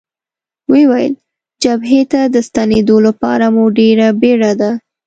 ویې ویل: جبهې ته د ستنېدو لپاره مو ډېره بېړه ده.